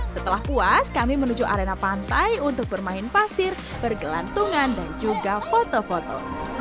setelah puas kami menuju arena pantai untuk bermain pasir bergelantungan dan juga foto foto